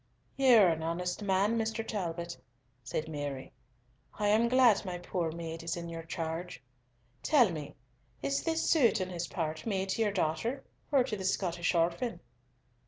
"You are an honest man, Mr. Talbot," said Mary; "I am glad my poor maid is in your charge. Tell me, is this suit on his part made to your daughter or to the Scottish orphan?"